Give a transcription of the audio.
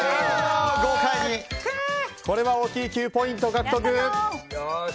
これは大きい９ポイント獲得。